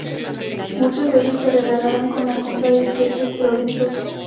Muchos de ellos se regalaban con la compra de ciertos productos.